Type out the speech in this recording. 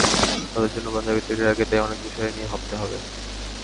তাদের জন্য পাঞ্জাবি তৈরির আগে তাই অনেক বিষয় নিয়ে ভাবতে হয়।